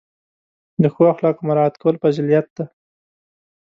د ښو اخلاقو مراعت کول فضیلت دی.